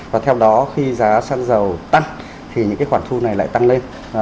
và theo đó khi giá xăng dầu tăng thì những cái khoản thu này lại tăng lên